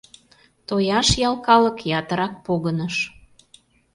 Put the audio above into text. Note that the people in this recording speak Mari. Тояш ял калык ятырак погыныш.